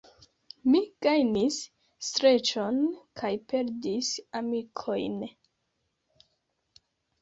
Mi gajnis streĉon kaj perdis amikojn.